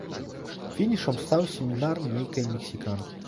Фінішам стаў семінар нейкай мексіканкі.